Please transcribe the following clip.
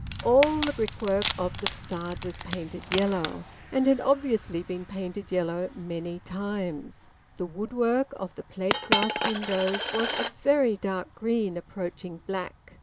All the brickwork of the facade was painted yellow, and had obviously been painted yellow many times; the woodwork of the plate glass windows was a very dark green approaching black.